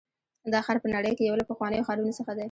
دا ښار په نړۍ کې یو له پخوانیو ښارونو څخه دی.